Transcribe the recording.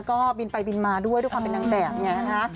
ก็บินไปบินมาด้วยด้วยความเป็นนางแด่มอย่างนั้นฮะ